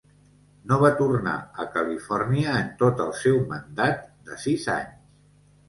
No va tornar a Califòrnia en tot el seu mandat de sis anys.